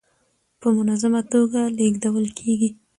په منظمه ټوګه لېږدول کيږي.